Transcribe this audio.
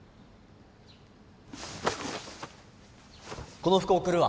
この服送るわ